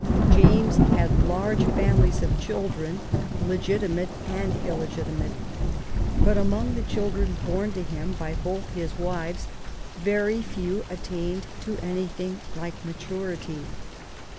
James had large families of chil 6 THE WOMAN BORN TO BE QUEEN dren, legitimate and illegitimate, but among the children borne to him by both his wives very few attained to anything like maturity.